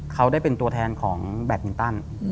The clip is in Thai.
เขาได้เป็นตัวแทนของแบตมินตัน